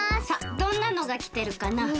さあどんなのがきてるかな？